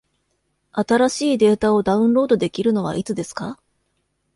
新しいデータをダウンロードできるのはいつですか？